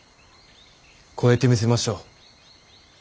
超えてみせましょう。